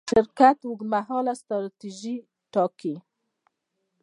شرکت اوږدمهاله ستراتیژي ټاکي.